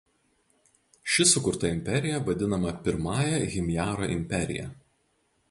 Ši sukurta imperija vadinama Pirmąja Himjaro imperija.